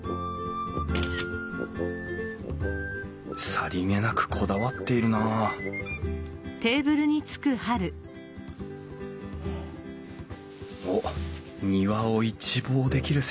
さりげなくこだわっているなおっ庭を一望できる席。